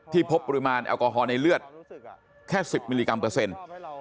พบปริมาณแอลกอฮอล์ในเลือดแค่๑๐มิลลิกรัมเปอร์เซ็นต์